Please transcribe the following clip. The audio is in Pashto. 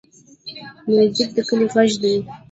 موزیک د کلي غږ دی.